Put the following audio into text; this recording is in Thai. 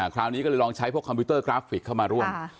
คราวนี้ก็เลยลองใช้พวกคอมพิวเตอร์กราฟิกเข้ามาร่วม